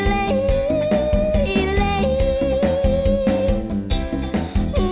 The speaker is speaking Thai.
กลัวชายเก่เลเก่ตุ้ง